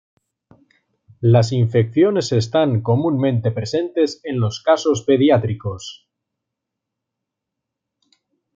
Las infecciones están comúnmente presentes en los casos pediátricos.